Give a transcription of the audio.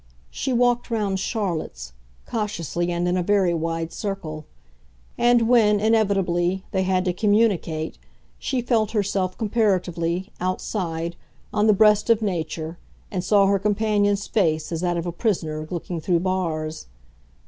She walked round Charlotte's cautiously and in a very wide circle; and when, inevitably, they had to communicate she felt herself, comparatively, outside, on the breast of nature, and saw her companion's face as that of a prisoner looking through bars.